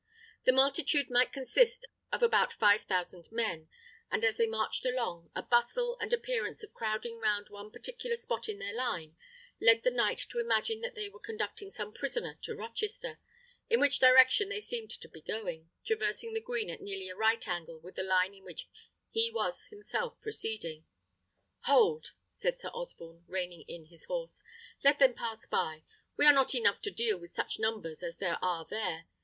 The multitude might consist of about five thousand men: and as they marched along, a bustle, and appearance of crowding round one particular spot in their line, led the knight to imagine that they were conducting some prisoner to Rochester, in which direction they seemed to be going, traversing the green at nearly a right angle with the line in which he was himself proceeding. "Hold!" said Sir Osborne, reining in his horse. "Let them pass by. We are not enough to deal with such numbers as there are there.